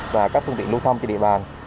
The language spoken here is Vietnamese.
và các thương tiện lưu thông trên địa bàn